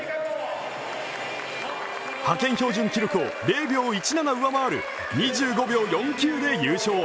派遣標準記録を０秒１７上回る２５秒４９で優勝